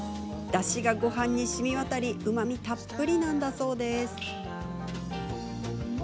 だしがごはんにしみわたりうまみたっぷりなんだそうです。